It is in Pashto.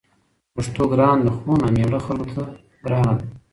پښتو ګرانه ده؛ خو نامېړه خلکو ته ګرانه ده